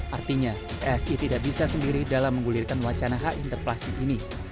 artinya psi tidak bisa sendiri dalam menggulirkan wacana hak interpelasi ini